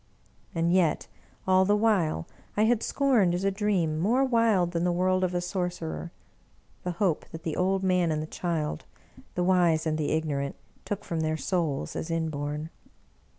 And yet, all the while, I had scorned, as a dream, more wild than the word of a sorcerer, the hope that the. old man and the child, the wise and the ignorant, took from their souls as inborn.